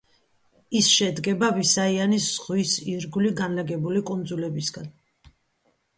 ის შედგება ვისაიანის ზღვის ირგვლივ განლაგებული კუნძულებისგან.